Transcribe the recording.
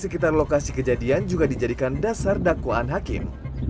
sekitar lokasi kejadian juga dijadikan dasar dakwaan hakim